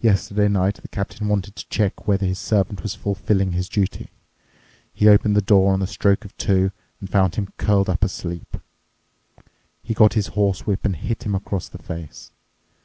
Yesterday night the captain wanted to check whether his servant was fulfilling his duty. He opened the door on the stroke of two and found him curled up asleep. He got his horsewhip and hit him across the face.